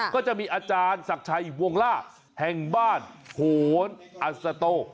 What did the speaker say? ก็จะมีอาจารย์ศักดิ์ชัยวงล่าแห่งบ้านโหนอัศโต